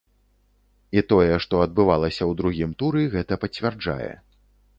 І тое, што адбывалася ў другім туры, гэта пацвярджае.